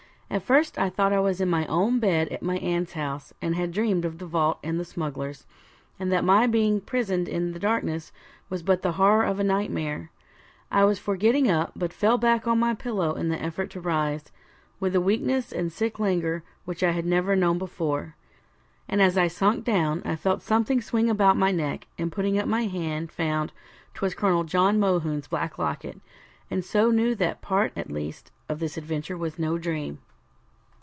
At first I thought I was in my own bed at my aunt's house, and had dreamed of the vault and the smugglers, and that my being prisoned in the darkness was but the horror of a nightmare. I was for getting up, but fell back on my pillow in the effort to rise, with a weakness and sick languor which I had never known before. And as I sunk down, I felt something swing about my neck, and putting up my hand, found 'twas Colonel John Mohune's black locket, and so knew that part at least of this adventure was no dream.